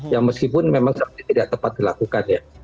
yang meskipun memang seperti tidak tepat dilakukan ya